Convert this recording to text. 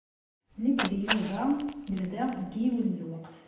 Nekk d Yuba nebda deg yiwen n lweqt.